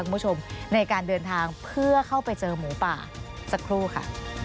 คุณผู้ชมในการเดินทางเพื่อเข้าไปเจอหมูป่าสักครู่ค่ะ